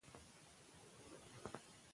د احمد شاه بابا د ملي حاکمیت تصور پیاوړی کړ.